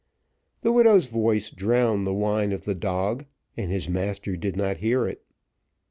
The widow's voice drowned the whine of the dog, and his master did not hear it.